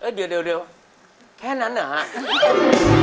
เดี๋ยวแค่นั้นเหรอครับ